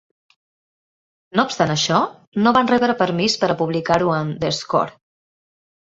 No obstant això, no van rebre permís per a publicar-ho en "The Score".